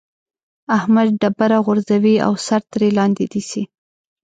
احمد ډبره غورځوي او سر ترې لاندې نيسي.